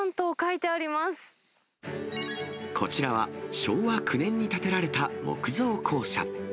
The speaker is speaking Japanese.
こちらは、昭和９年に建てられた木造校舎。